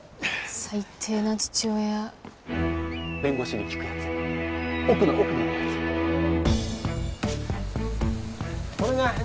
最低な父親弁護士に効くやつ奥の奥にあるやつ